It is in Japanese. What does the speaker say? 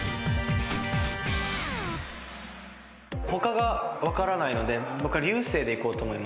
他が分からないので僕は流星でいこうと思います。